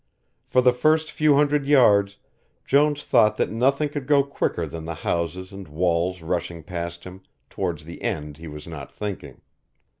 For the first few hundred yards Jones thought that nothing could go quicker than the houses and walls rushing past him, towards the end he was not thinking.